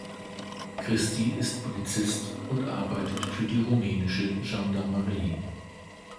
Cristi ist Polizist und arbeitet für die rumänische Gendarmerie.